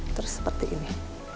terus seperti ini